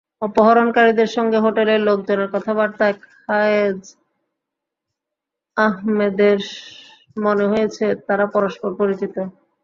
অপহরণকারীদের সঙ্গে হোটেলের লোকজনের কথাবার্তায় খায়েজ আহম্মেদের মনে হয়েছে, তারা পরস্পর পরিচিত।